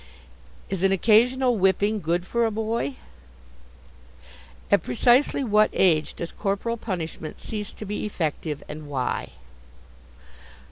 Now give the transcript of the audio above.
Is an occasional whipping good for a boy? At precisely what age does corporal punishment cease to be effective? And why?